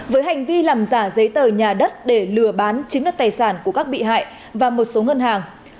với hành vi làm giả giấy tờ nhà đất để lừa bán chiếm đất tài sản của các bị hại và một số ngân hàng